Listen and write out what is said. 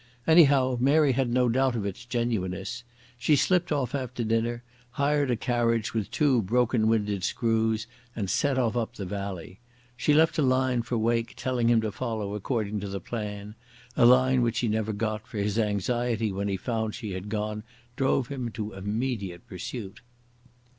Anyhow, Mary had no doubt of its genuineness. She slipped off after dinner, hired a carriage with two broken winded screws and set off up the valley. She left a line for Wake telling him to follow according to the plan—a line which he never got, for his anxiety when he found she had gone drove him to immediate pursuit.